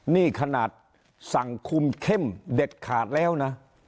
นี่ขนาดสั่งคุมเข้มเด็ดขาดแล้วนะ